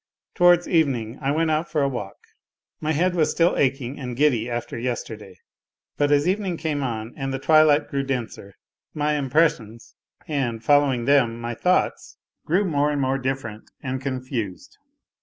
Towards evening I went out for a walk. My head was still aching and giddy after yesterday. But as evening came on and the twilight grew denser, my impressions and, following them, my thoughts, grew more and more different and confused.